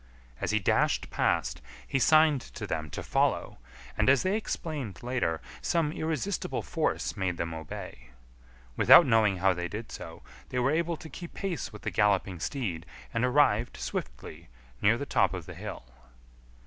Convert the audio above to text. As he dashed past, he signed to them to follow, and, as they explained later, some irresistible force made them obey. Without knowing how they did so, they were able to keep pace with the galloping steed and arrived swiftly near the top of the hill.